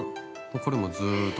これもずっと。